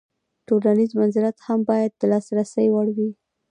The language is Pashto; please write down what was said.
تولنیز منزلت هم باید د لاسرسي وړ وي.